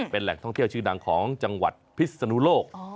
เป็นแหล่งท่องเที่ยวชื่อดังของจังหวัดพิศนุโลก